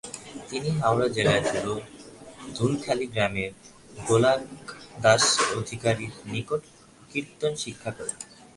তিনি হাওড়া জেলার ধুরখালি গ্রামের গোলোকদাস অধিকারীর নিকট কীর্তন শিক্ষা করেন।